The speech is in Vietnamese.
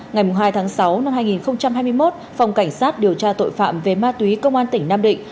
ngày hai tháng sáu năm hai nghìn hai mươi một phòng cảnh sát điều tra tội phạm về ma túy công an tỉnh nam định